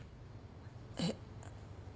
えっ？